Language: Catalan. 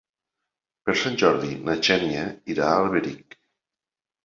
Per Sant Jordi na Xènia irà a Alberic.